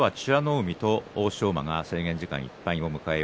海と欧勝馬が制限時間いっぱいです。